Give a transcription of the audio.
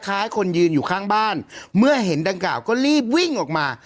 คนยืนอยู่ข้างบ้านเมื่อเห็นดังกล่าวก็รีบวิ่งออกมา